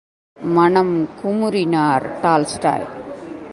மனம் குமுறினார் டால்ஸ்டாய்!